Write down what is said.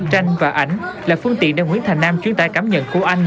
tranh và ảnh là phương tiện để nguyễn thành nam chuyên tài cảm nhận cô anh